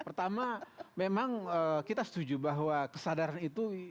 pertama memang kita setuju bahwa kesadaran itu